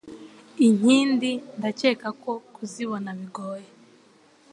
Inkindi ndakekako kuzibona bigoye